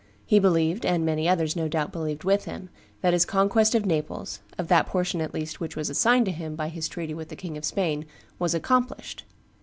He believed, and many others, no doubt, believed with him, that his conquest of Naples, of that portion at least which was assigned to him by his treaty with the King of Spain, was accomplished.